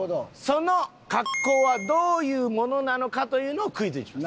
その格好はどういうものなのかというのをクイズにします。